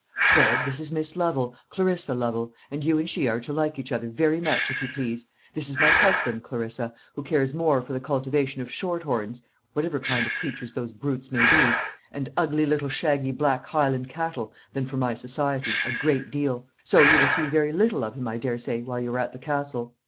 "Fred, this is Miss Lovel Clarissa Lovel and you and she are to like each other very much, if you please. This is my husband, Clarissa, who cares more for the cultivation of short horns whatever kind of creatures those brutes may be and ugly little shaggy black Highland cattle, than for my society, a great deal; so you will see very little of him, I daresay, while you are at the Castle.